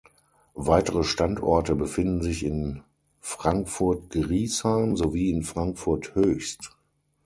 Weitere Standorte befinden sich in Frankfurt-Griesheim sowie in Frankfurt-Höchst.